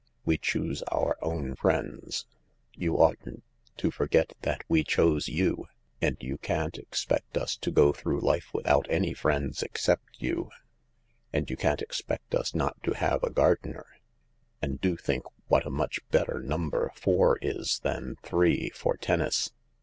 We choose our own friends. You oughtn't to forget that we chose you. And you can't expect us to go through life without any friends except you. And you can't expect us not to have a gardener. And do think what a much better number four is than three for tennis."